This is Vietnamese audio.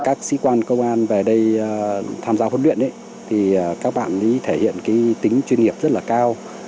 các sĩ quan công an về đây tham gia huấn luyện thì các bạn thể hiện tính chuyên nghiệp rất là cao